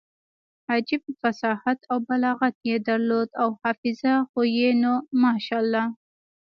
عجب فصاحت او بلاغت يې درلود او حافظه خو يې نو ماشاالله.